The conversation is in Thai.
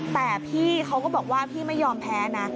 แต่พี่เขาก็บอกว่าพี่ไม่ยอมแพ้นะ